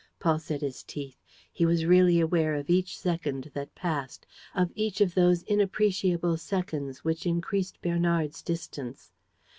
Paul set his teeth. He was really aware of each second that passed, of each of those inappreciable seconds which increased Bernard's distance.